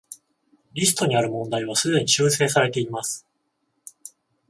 リストにある問題はすでに修正されています